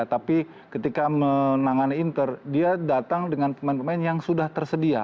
tapi ketika menangani inter dia datang dengan pemain pemain yang sudah tersedia